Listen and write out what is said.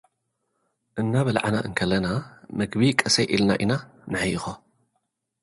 እና በላዕና እንከለና፡ መግቢ ቀሰይ ኢልና ኢና ንሕይኮ።